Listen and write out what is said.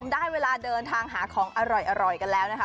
ได้เวลาเดินทางหาของอร่อยกันแล้วนะคะ